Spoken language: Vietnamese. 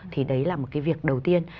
thì đấy là một cái việc đầu tiên